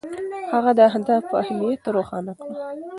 هغه د اهدافو اهمیت روښانه کړ.